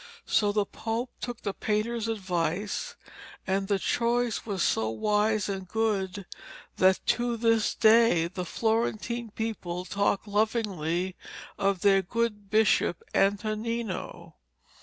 So the Pope took the painter's advice, and the choice was so wise and good, that to this day the Florentine people talk lovingly of their good bishop Antonino.